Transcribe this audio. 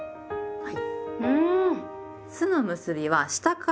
はい。